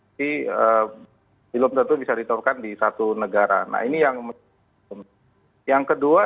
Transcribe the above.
tapi belum tentu bisa diterapkan di satu negara